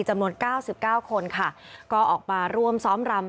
จำนวน๙๙คนค่ะก็ออกมาร่วมซ้อมรำ